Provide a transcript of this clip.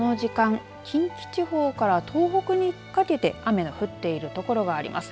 この時間近畿地方から東北にかけて雨の降っている所があります。